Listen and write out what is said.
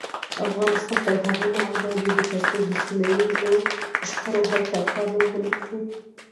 افغانستان تر هغو نه ابادیږي، ترڅو د سیمه ییزو شخړو حل ته کار ونکړو.